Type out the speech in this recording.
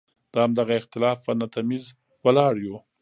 د همدغه اختلاف په نه تمیز ولاړ یو.